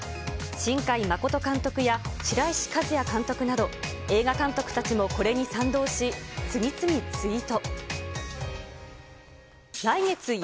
新海誠監督や白石和彌監督など映画監督たちもこれに賛同し、次々ツイート。